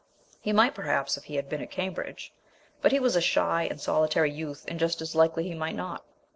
He might, perhaps, if he had been at Cambridge, but he was a shy and solitary youth, and just as likely he might not.